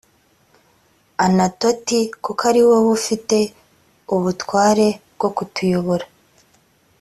anatoti kuko ari wowe ufite ubutware bwo kutuyobora